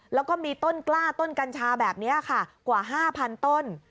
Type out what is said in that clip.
แล้วก็มีต้นกล้าต้นกัญชาแบบนี้ค่ะกว่า๕๐๐๐ต้น